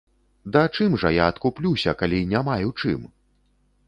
Да чым жа я адкуплюся, калі не маю чым?